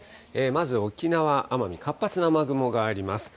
まず沖縄、奄美、活発な雨雲があります。